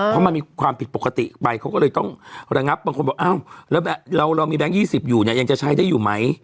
เพราะมันมีความผิดปกติไปเขาก็เลยต้องระงับบางคนบอกอ้าวแล้วเรามีแบงค์๒๐อยู่เนี่ยยังจะใช้ได้อยู่ไหม